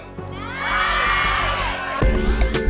ได้